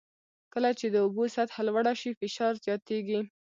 کله چې د اوبو سطحه لوړه شي فشار زیاتېږي.